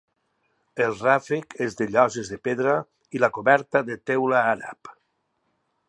El ràfec és de lloses de pedra i la coberta de teula àrab.